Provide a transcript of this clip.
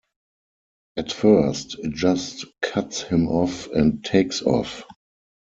At first, it just cuts him off and takes off.